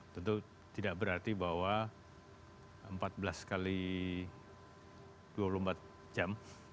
tentu tidak berarti bahwa empat belas x dua puluh empat jam